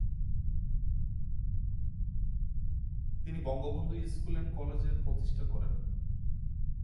তিনি Bangabandhu school and college এর প্রতিষ্ঠা করেন।